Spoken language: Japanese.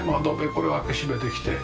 これは開け閉めできて。